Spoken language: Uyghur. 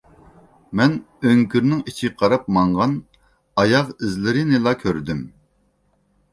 مەن ئۆڭكۈرنىڭ ئىچىگە قاراپ ماڭغان ئاياغ ئىزلىرىنىلا كۆردۈم